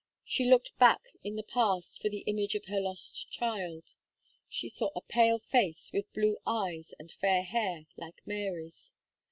She looked back in the past for the image of her lost child. She saw a pale face, with blue eyes and fair hair, like Mary's.